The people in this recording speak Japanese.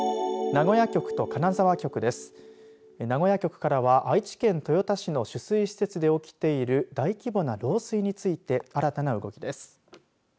名古屋局からは愛知県豊田市の取水施設で起きている大規模な漏水について新たな動きです。